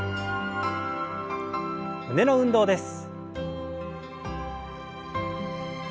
胸の運動です。